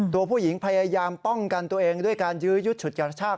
ตัวผู้หญิงพยายามป้องกันตัวเองด้วยการยื้อยุดฉุดกระชาก